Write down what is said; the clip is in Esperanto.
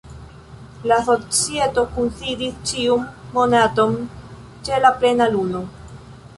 La Societo kunsidis ĉiun monaton ĉe la plena luno.